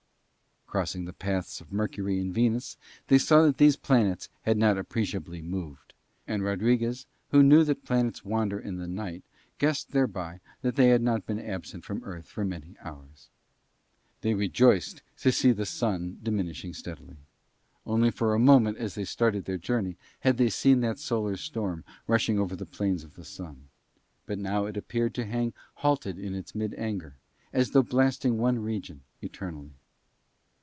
Crossing the paths of Mercury and Venus, they saw that these planets had not appreciably moved, and Rodriguez, who knew that planets wander in the night, guessed thereby that they had not been absent from Earth for many hours. They rejoiced to see the Sun diminishing steadily. Only for a moment as they started their journey had they seen that solar storm rushing over the plains of the Sun; but now it appeared to hang halted in its mid anger, as though blasting one region eternally.